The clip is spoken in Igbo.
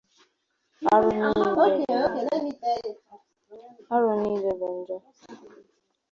Arụ niile bụ njọ